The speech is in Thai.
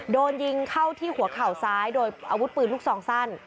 โดนยิงเข้าที่หัวเข่าซ้ายโดยอาวุธปืนลูกซองสั้น